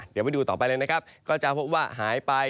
เดี๋ยวไปดูต่อไปเลยนะครับก็จะพบว่าหายไป